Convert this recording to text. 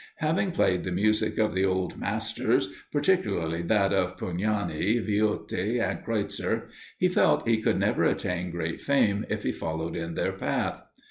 Having played the music of the old masters, particularly that of Pugnani, Viotti and Kreutzer, he felt he could never attain great fame if he followed in their path.